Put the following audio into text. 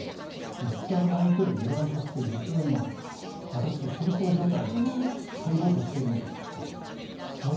いったん相手を油断させて実は今、私、戦闘状態に入ろうとしているのですという。